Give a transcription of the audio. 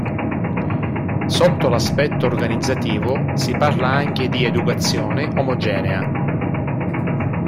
Sotto l'aspetto organizzativo, si parla anche di educazione omogenea.